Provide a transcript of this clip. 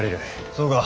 そうか。